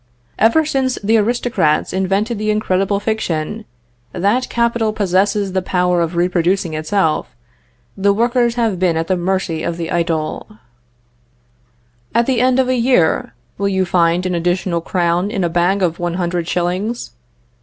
"Ever since the aristocrats invented the incredible fiction, that capital possesses the power of reproducing itself, the workers have been at the mercy of the idle. "At the end of a year, will you find an additional crown in a bag of one hundred shillings?